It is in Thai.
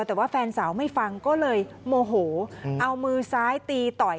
แต่ว่าแฟนสาวไม่ฟังก็เลยโมโหเอามือซ้ายตีต่อย